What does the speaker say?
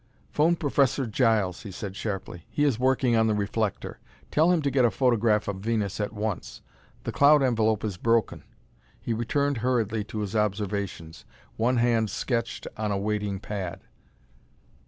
"Phone Professor Giles," he said sharply; "he is working on the reflector. Tell him to get a photograph of Venus at once; the cloud envelope is broken." He returned hurriedly to his observations. One hand sketched on a waiting pad.